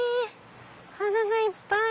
花がいっぱい！